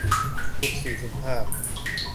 สุ่มสี่สุ่มห้า